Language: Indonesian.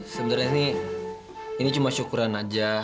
sebenernya ini ini cuma syukuran aja